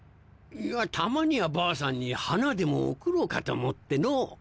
いやたまにはばあさんに花でも贈ろうかと思っての。